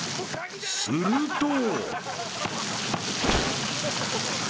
［すると］